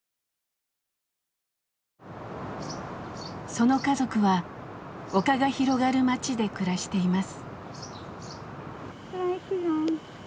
その家族は丘が広がる町で暮らしています。